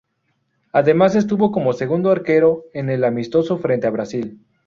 Además estuvo como segundo arquero en el amistoso frente a Brasil.